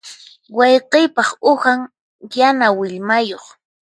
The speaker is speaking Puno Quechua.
Wayqiypaq uhan yana willmayuq.